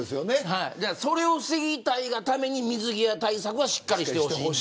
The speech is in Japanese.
それを防ぎたいがために水際対策はしっかりしてほしいです。